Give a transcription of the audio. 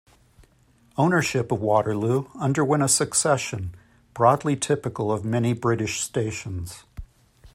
Ownership of Waterloo underwent a succession, broadly typical of many British stations.